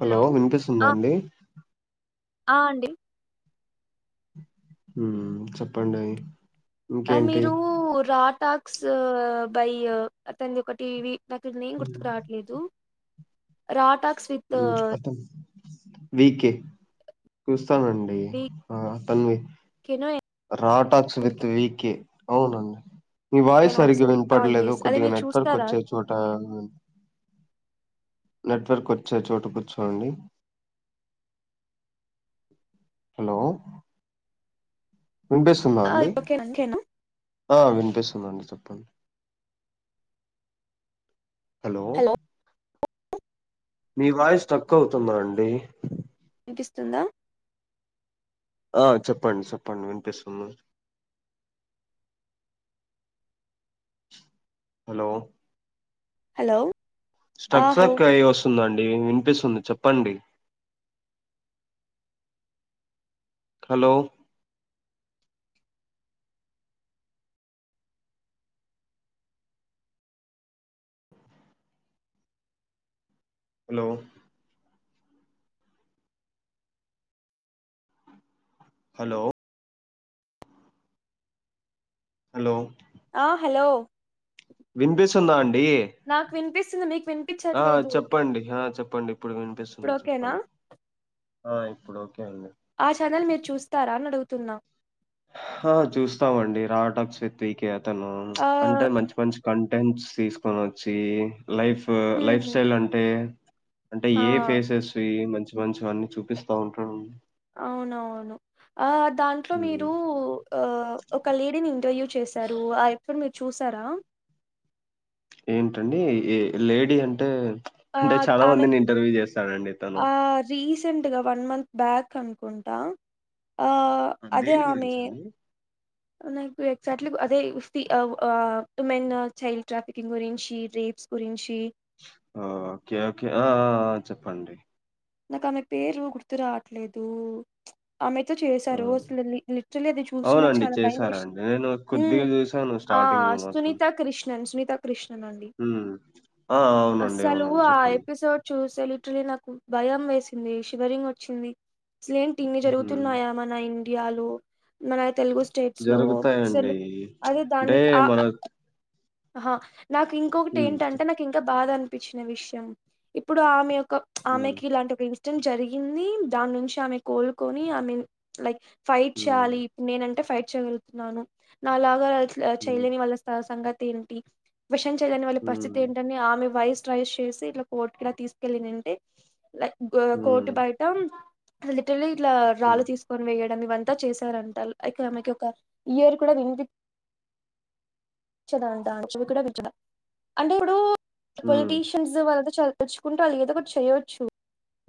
Hello వినిపిస్తుందా ఆ అండి ఆ అండి ఊ చెప్ప అండి యి ఆ మీరు రాటాక్స్ బై అతంది ఒక టీవీ నాకు నేమ్ మ్మ్ గుర్తుకు రావట్లేదు రా టా క్ [unintelligible] వీకే చూస్తాన అండి వి ఆ తనవి కెనో రాటాక్స్ అండ్ విత్ వికే అవున అండి మీ కెన్ వాయిస్ నాట్ సరిగ సే ఆ వినపడలేదు ఎస్ అది కొద్దిగా మీరు నెట్వర్క్ చూస్తారా వచ్చే చోట. నెట్వర్క్ వచ్చే చోటు కూర్చోండి. హలో వినిపిస్తుందా ఆ అండి ఇప్పుడు కెన్ కెన్ ఆ వినిపిస్తుందండి చెప్పండి హలో మీ వాయిస్ స్టర్క్ అవుతుంద అండి వినిపిస్తుందా ఆ చెప్పండి చెప్పండి వినిపిస్తుంది హలో హలో ఆ స్టర్క్ హలో స్టర్క్ అయి వస్తుంద అండి వినిపిస్తుంది చెప్పండి హలో హలో హలో హలో ఆ హలో వినిపిస్తుందా అండి నాకు వినిపిస్తుంది మీకు ఆ వినిపించట్లేదు చెప్పండి ఆ చెప్పండి ఇప్పుడు ఇప్పుడు వినిపిస్తుంది ఓకేనా చెప్పండి ఆ ఇప్పుడు అండి ఆ ఛానల్ మీరు చూస్తారా అని అడుగుతున్నా ఆ చూస్తామ అండి రా టాక్స్ విత్ వికే అతను ఆ అంటే మంచి మంచి కంట్ టెన్స్ తీసుకొని వచ్చి లైఫ్ లైఫ్ హ్మ్ స్టైల్ అంటే అంటే ఆ ఏ ఫేసెస్ మంచి మంచి అన్ని చూపిస్తా ఉంటాడ అండి అవున అవును ఆ దాంట్లో ఉమ్, మీరు ఆ ఒక లేడీని ఇంటర్యూ చేశారు ఆ ఎప్పుడు మీరు చూసారా ఏంటండి ఏ లేడీ అంటే ఆ అంటే చాలా ఆమె మందిని ఇంటర్యూ చేస్తాడఅండి తను ఆ రీసెంట్ గా వన్ మంత్ బ్యాక్ అనుకుంటా ఆ అదే దేని ఆమె గురించి అండి నాకు ఎక్జాట్లీ అదే ఉమెన్ చైల్డ్ ట్రాఫికింగ్ గురించి రేప్స్ గురించి ఓకే ఓకే ఆ చెప్పండి నాకు ఆమె పేరు గుర్తు రావట్లేదు ఆమెతో చేశారు ఆ. అసలు లిట్ రల్లీ అది చూసి నాకు అవునండి. చాలా భయం చేశారండి. వేసింది నేను కొద్దిగా జూశాను ఆ స్టార్టింగ్‌లో మాత్రం. సునీతా కృష్ణన్ సునీత కృష్ణన్ అండి హ్మ్. ఆ! అవునండి. అసలు అవునండి. ఆ చెప్పండి. ఎపిసోడ్ చూస సే లే నాకు భయం వేసింది శివరింగ్ వచ్చింది అసలేంటి ఇన్ని హ్మ్. జరుగుతున్నాయా మన ఇన్ యాలో మన తెలుగు స్టేట్స్ లో జరుగుతాయండి. అసలు అదే అంటే దానికి ఆ మన ఆహా నాకు ఇంకొకటి హ్మ్. ఏంటంటే చెప్ నాకు ఇంకా బాధ అనిపించిన విషయం ఇప్పుడు ఆమె ఒక్క హ్మ్. ఆమెకి ఇలాంటి ఒక ఇన్సిడెంట్ జరిగింది దాని నుంచి ఆమె కోలుకొని ఆమె లైక్ ఫైట్ చేయాలి హ్మ్. ఇప్పుడు నేనంటే ఫైట్ చేయగలుగుతున్నాను నాలాగా హ్మ్. చేయలేని వాళ్ళ సంగతి ఏంటి విషం చేయని వాళ్ళ పరిస్థితి హ్మ్. ఏంటని ఆమె వయసు రైస్ చేసి ఇట్లా కోట్ క తీసుకెళ్ళి తంటే లైక్ కోటు హ్మ్. బయట అ తిట్డి ఇట్లా రాళ్ హ్మ్. తీసుకొని వేయాలి ఇవంతా చేశారంటారు మకి ఒక ఇయర్ కూడా వినిపి చదా అ అ చెప్ప కూడా బట్డ అంటే ఇప్పుడు హ్మ్. పొలిటీషియన్స్ వల్ చ నలుచుకుంటూ వాళ్ళ ఏదో ఒకటి చేయొచ్చు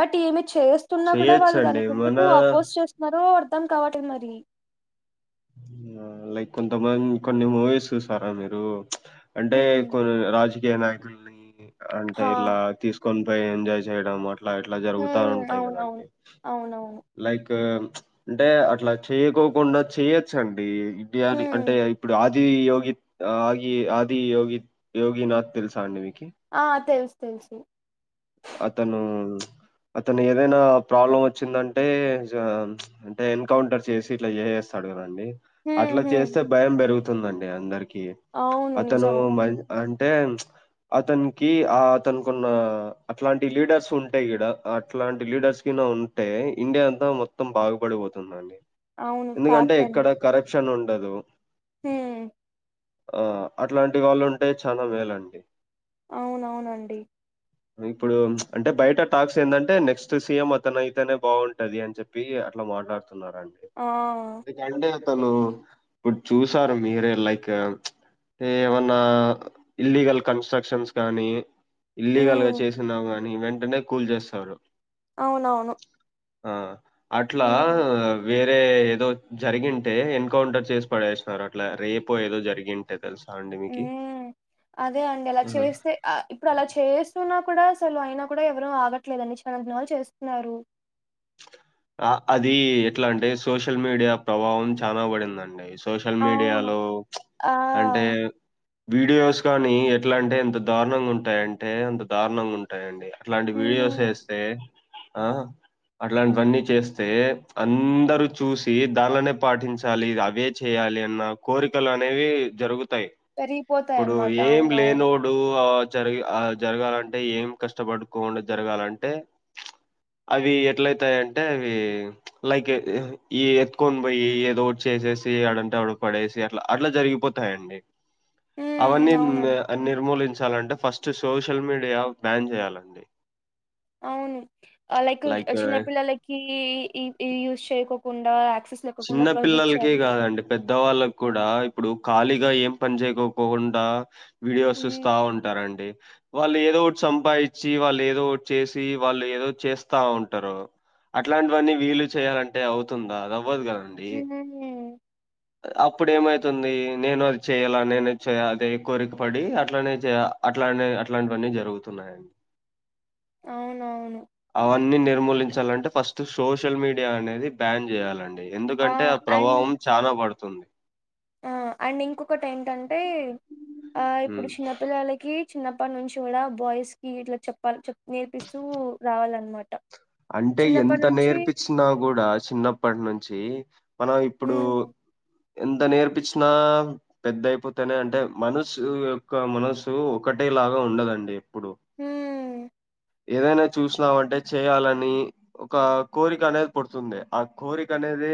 బట్ ఏమి చేస్తున్నా కూడా వాళ్ళు చేయొచ్చండి. దానికి మన ఎందుకు అపోజ్ చేస్తున్నారో అర్ధం కాబట్టి మరి లైక్ కొంతమంది కొన్ని మూవీస్ చూసారా మీరు అంటే ఉమ్ కొన్ని రాజకీయ నాయకుల్ని అంటే హా ఇలా తీసుకు కొని పోయి ఎంజాయ్ చేయడం అట్లా ఎట్లా జరుగుతా హ్మ్ ఉంటాయి అవునవును కదండి అవునవును లైక్ అంటే అట్లా చేయకోకుండా చేయొచ్చండి ఇడియా హ్మ్ అంటే ఇప్పుడుది ఆది యోగి ఆదిగి ఆది యగి యోగ నాథ్ తెలుసా అండి మీకు ఆ తెలుసు తెలుసు అతను అతను ఏదైనా ప్రాబ్లం వచ్చిందంటే అంటే ఎన్కౌంటర్ చేసి ఇట్లా చే చేస్తాడు క హ్మ్ అట్లా హ్మ్ చేస్తే భయం పెరుగుతుందండి అందరికి అవును అతను నిజము మ అంటే అతనికి ఆ అతనుకున్న అట్లాంటి లీడర్స్ ఉంటాయి ఇడ అట్లాంటి లీడర్స్ కిన్నా ఉంటే ఇండియా అంతా మొత్తం బాగుపడవదు తుందండి అవును ఎందుకంటే ఎక్కడ కరప్షన్ ఉండదు హ ఆ అట్లాంటి వాళ్ళు ఉంటే చాలా మేలండి అవునవునండి ఇప్పుడు అంటే బయట టాక్స్ ఏంటంటే నెక్స్ట్ సీఎం అతను అయితేనే బాగుంటది అని చెప్పి అట్లా మాట్లాడుత న్నడి ఆ ఎందుక అ తను ఇప్పుడు చూసారు మీరే లైక్ ఏమన్నా ఇల్లీగల్ కన్స్ట్రక్షన్స్ కాగానీ ఇల్లీగల్గా హ్మ్ కాని వెంటనే కూల్ చేస్తారు అవునవును ఆ అట్లా హ్మ్ వేరే రే ఏదో జరిగింటే ఎన్కౌంటర్ చేసి పడేస్తున్నారు అట్లా రేపు ఏదో జరిగింటే తెలుసా అండి ఉ మీకి? అదే అండి అలా ఆ! చేస్తే ఇప్పుడు అలా చేస్తున్నా కూడా అసలు అయినా కూడా ఎవరు ఆగట్లేదండి చిన్న దినలు చేస్తున్నారు అది ఎట్లా అంటే సోషల్ మీడియా ప్రభావం చాలా పడిందండి సోషల్ అవును. మీడియాలో ఆ! అంటే వీడియోస్ కాగానీ ఎట్లా అంటే ఎంత దారుణంగా ఉంటాయంటే అంత దారుణంగా ఉంటాయంండి అట్లాంటి వీడియోస్ హ్మ్. వేస్తే ఆ అట్లాంటివన్నీ చేస్తే అందరుూ చూసి దానినే పాటించాలి అవే చేయాలి కోరికలు అనేవి జరుగుతాయి ఇప్పుడు పెరిగిపోతాయన్నమాట. ఏం అవునవును. లేనోడు జ జరగాలంటే ఏం కష్టపడుకో జరగాలంటే అవి ఎట్లయితాయింటే అవి లైక్ ఈ ఎత్కొని పోయి ఏదో చేసేసి అడంట పడే అట్ అట్లా జరిగిపోతాయిడి హ్మ్. అవన్నీ అవునండి. నిర్మూలి థాంచాలిఅంత ఫస్ట్ సోషల్ మీడియా బ్యాన్ చేయాలండి అవును లైక్ చిన్నపిిల్లలకి యూస్ చేయకోకుండా యాక్సెస్ లేకోకుండా ప్రొహిబిట్ చిన్నపిల్లలకే చేయాలి. కాదండి పెద్ద వాళ్ళకి కూడా ఇప్పుడు ఖాళీగా ఏం పని చేయకోపోకుండా వీడియోస్ చూస్తా హ్మ్. ఉంటారంండి వాళ్ళు ఏదో ఒకటి సంపాదించి వాళ్ళు ఏదో ఒకటి చేసి వాళ్ళు ఏదో చేస్తా ఉంటారు అట్లాంటివన్నీ వీలు చేయాలంటే అవుతుందాద హ అప్పుడ ఏమైతుంది నేను అది చెయాల నేను చేయ అదే కోరిక పడి అట్లనే చేయ అట్లానే అట్లాంటివన్నీ జరుగుతున్నాయండి అవునవును అన్ని నిర్మూలించాలంటే ఫస్ట్ సోషల్ మీడియా అనేది బ్యాన్ చేయాలండి ఎందుకంటే ఆ ప్రభావం చనా పడుతుంది ఆ అండ్ ఇంకొకటి ఏంటంటే ఆ ఇప్పుడు హ్మ్. చిన్నపిిల్లలకి చిన్నప్పటి నుంచి కూడా బాయ్స్ కి ఇట్లా చెప్పాల చె నేర్పిస్తూ రావాలన్నమాట అంటే చిన్నప్పటి ఎంత నుంచి నేర్పచ్చినా కూడా చిన్నప్పటి నుంచి మనం ఇప్పుడు హ్మ్ [inaudible] ఎంత నేర్పచ్చినా పెద్ద అయిపోతేనే అంటే మనసు యొక్క మనసు ఒకటే ఆగా ఉండదండి ఎప్పుడు. హ ఏదైనా చూసినావంటే చేయాలని ఒక కోరిక అనేది పుడుతుంది ఆ కోరిక అనేది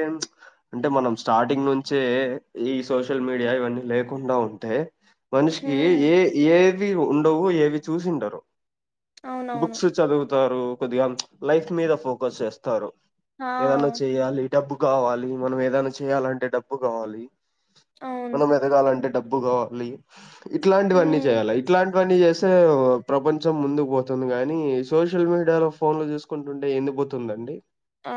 అంటే మనం స్టార్టింగ్ నుంచే ఈ సోషల్ మీడియా ఇవన్నీ లేకుండా ఉంటే మనిషికి హ్మ్ ఏ ఏవి ఉండవు ఏవి చూసింటరు అవునవును బుక్స్ చదువు కొద్దిగా లైఫ్ మీద ఫోకస్ చేస్తారు ఆ ఏదన్నా చేయాలి డబ్బు కావాలి మనం ఏదైనా చేయాలంటే డబ్బు కావాలి అవును మనం ఎదగాలంటే డబ్బు బ్బు కోవాలి ఇట్లాంటివన్నీ హ్మ్ చేయాల ఇట్లాంటి ఇవన్న చేస్తే ప్రపంచం ముందుకు పోతుంది కాగానీ సోషల్ మీడియా లో ఫోన్ లో చూసుకు చకుంటుంటే ఎందుపోతుందండి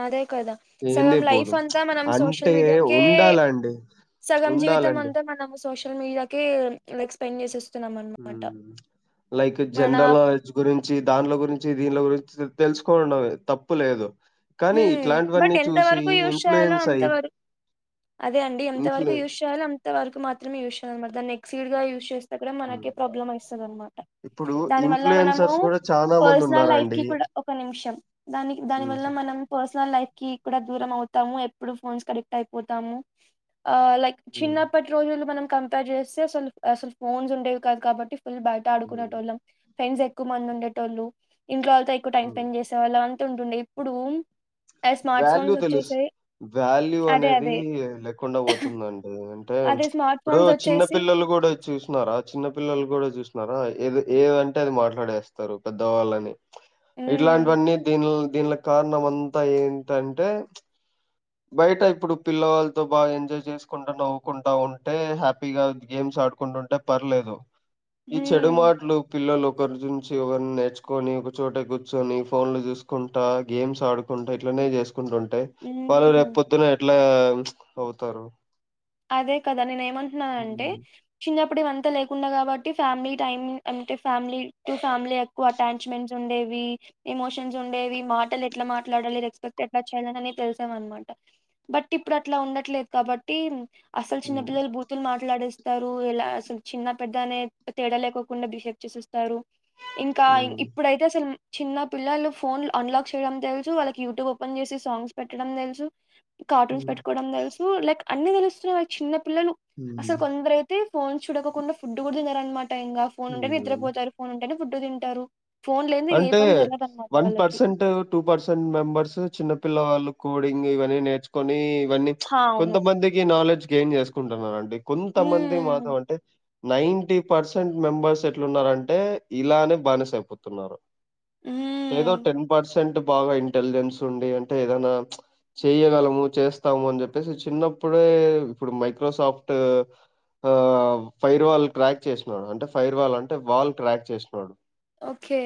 అదే కదా సగం లైఫ్ అంతా మనం సోషల్ అంటే మీడియాకే ఉండాలండి సగం జీవితం ఉండాలండి అంతా మనం సోషల్ మీడియాకిక్ స్పెండ్ చేసే లైక్ మన జనరల్ నాలెడ్జ్ గురించి దాంట్లో గురించి దీనిలో గురించి తెలుసుకోడవే తప్పు లేదు కానీ బట్ ఇట్లాంటివన్నీ ఎంత చూసి వరకు యూజ్ చేయాలో ఇన్ఫ్లుయెన్స్ అయ్యి అంతవరకు అదే అండింతరకు ఇన్ఫ్లు యూజ్ చేయాలో అంతరకు మాత్రమే యూజ్ చేయాల అనమాట దా నెక్స్ట్ సీడ్ గ యూజ్ చేస్తేక్కడ మనకి మ్మ్ ప్రాబ్లమ్ అయిస్తుంది అనమాట ఇప్పుడు దాని వల్ల మనము ఇన్ఫ్లుయెన్సర్స్ కూడా చాలా మంది పర్సనల్ లైఫ్ కి ఉన్నారండి కూడా ఒక నిమిషం దాని దాని మ్మ్ వల్ మనం పర్సనల్ లైఫ్ కి కూడా దూరం అవుతాము ఎప్పుడు ఫోన్స్ క అడిక్ట్ అయిపోతాము లైక్ మ్మ్ చిన్నప్పటి రోజుల్లో మనం కంపేర్ చేస్తే అసలు అసలు ఫోన్స్ ఉండేవి కాదు కాబట్టి బయట ఆడుకునేట మ్మ్ వాళ్ళం ఫ్రెంస్ ఎక్కువ మంది ఉండేటోళ్ళు ఇంట్ వాళ్ల ఎక్వ టైం మ్మ్ స్పెండ్ చేసేవాళ్ళం టుండయి ఇప్పుడు స్మార్ట్ వాల్యూ ఫోన్స్ తెలుసు వచ్చేసాయి వాల్యూ అదే అనేది అదే లేకుండా పోతుందండి అంటే అదే స్మార్ట్ ఇప్పుడు ఫోన్స్ చిన్న వచ్చేసి పిల్లలు కూడా చూసినారా చిన్న పిల్లలు కూడా చూస్తున్నారా ఏద ఏదంటే అది మాట్లాడేస్తారు పెద్దవాళ్ళని హ్మ్. ఇట్లాంటివన్నీ దీని దీని కారణం అంతా ఏంటంటే బయట ఇప్పుడు పిల్లవాళ్ళతో బాగా ఎంజాయ్ చేసుకుంటా నవ్వుకుంటా ఉంటే హ్యాపీగా గేమ్ ఆడుకుంటుంటే పర్లేదు ఈ చెడు హ్మ్. మాటలు పిల్లలు ఒకరి నుంచి ఒకరిని నేర్చుకొని ఒక చోట కూర్చొని ఫోన్ లో చూసుకుంటా గేమ్స్ ఆడుకుంటా ఇట్లనే చేసుకుంటుంటేయి వాళ్ళు రేపు హ్మ్. పొద్దున ఎట్లా ప్చ్ అవుతారు అదే కదా నేను ఏమంటున్నాను అంటే హ్మ్ చిన్నప్ ఇప్పుడు ఇవంతా లేకుండా కాబట్టి ఫ్యామిలీ టైమ్ అంటే ఫ్యామిలీ టు ఫ్యామిలీ ఎక్కువ అటాచ్మెంట్స్ ఉండేవి ఇమోషన్స్ ఉండేవి మాటలు ఎట్లా మాట్లాడాలి రెక్స్పెక్ట్ ఎట్లా చేయాలినినే తెలిసేవి అనమాట బట్ ఇప్పుడు అట్లా ఉండట్లేదు కాబట్టి అసలు హ్మ్ చిన్నపిల్లలు బూతులు మాట్లాడేస్ స్తారు ఇలా అసలు చిన్న పెద్దనే తేడా లేకోకుండా బిహేవ్ చేసేస్తారు ఇంకా హ్మ్ ఇప్పుడైతే అసలు చిన్న పిల్లలు ఫోన్ అన్లాక్ చేయడం తెలుసు వాళ్ళకి యూట్యూబ్ ఓపెన్ చేసి సాంగ్స్ పెట్టడం తెలుసు కార్టూన్స్ హ్మ్ పెట్టుకోవడం తెలుసు లైక్ అన్ని తెలుస్తున్నా వా చిన్న పిల్లలు అసలు కొందరైతే ఫోన్ చూడకకుండా ఫుడ్ కూడా తిారనమాట ఇంకా ఫోన్ ఉంటే హ్మ్ హ్మ్ నిద్రపోతారు ఫోన్ ఉంటేనే ఫుడ్ తింటారు ఫోన్ లేనిదే ఏ అంటే పని జరగదనమాట వన్ వాళ్ళకి పర్సెంట్ టూ పర్సెంట్ మెంబర్స్ చిన్న పిల్ల వాళ్ళ కోడింగ్ ఇవన్నీ నేర్చుకొని ఇవన్నీ హా! అవును. కొంతమందికి నాలెడ్జ్ గెయిన్ చేసుకుంటున్నండి కొంతమంది హ్మ్. మాతమే అంటే నైన్ంట పర్సెంట్ మెంబర్స్ ఎట్లున్నంటే ఇలానే బానిస అయిపోతున్నారు లేదో హ్మ్. టెన్ పర్సెంట్ బాగా ఇంటెలిజెన్స్ ఉడి అంటే ఏదైనా చేయ్యగలము చేస్తాము అని చెప్పేసి చిన్నప్పుడే ఇప్పుడు మైక్రోసాఫ్ట్ ఆ ఫైర్ వాల్ క్రాక్ చేసన్నాడు అంటే ఫైర్ వాల్ అంటే వాల్ క్రాక్ చేసినడు ఖే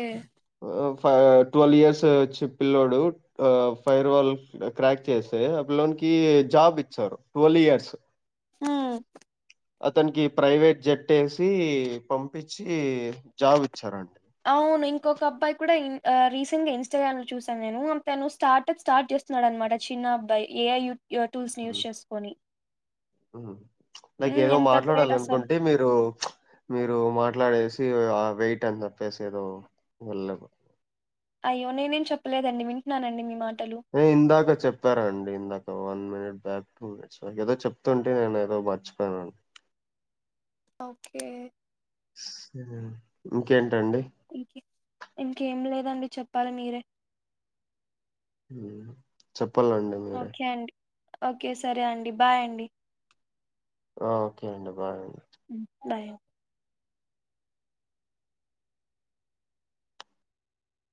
ఫై ట్వెల్ ఇయర్స్ వచ్చి పిల్ల్లోడు అ ఫైర్ వాల్ క్రాక్ చేస్తే లో కి జాబ్ ఇచ్చారు ట్వల్ ఇయర్స్ ఆ అతనికి ప్రైవేట్ జట్ వేసి పంపించి జాబ్ ఇ అవును ఇంకా ఒక అబ్బాయి కూడా ఇ రీసెంట్ గా ఇన్స్ాగ్రామ్ లో చూశాను నేను తను స్టార్ట్ప్ స్టార్ట్ చేస్తున్నాడు అనమాట చిన్న నా బ ఏఐ టూల్స్ యూస్ చేసుకొని లైక్ హ్మ్. ఏదో ఎంత మాట్లాడాల గ్రేట్ అసలు. అనుకుంటే మీరు మీరు మాట్లాడేసి వెయిట్ అంత పేసి ఏదో వెళ్ళ అయ్యో నేనేం చెప్పలేదండి వింటున్నానండి మీ మాట్ ఏ ఇందాక చెప్పారండి ఇందాక one minute back two minutes ఏదో చెప్తుంటే నేను ఏదో మర్చిపోయానండి ఓకే ఇంకెన్ ఇంకే ఇంకేం లేదండి చెప్పాలి మీరే మ్మ్ చెప్పల్లండి మీరే ఓకే అండి ఓకే సరే అండి బాయ్ అండి ఆ ఓకే అండి బాయ్ అండి మ్మ్ బాయ్ అండి